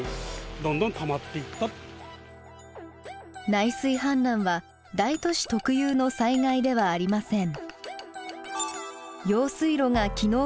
内水氾濫は大都市特有の災害ではありません。